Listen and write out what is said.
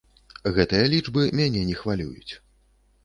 Гэтыя лічбы мяне не хвалююць.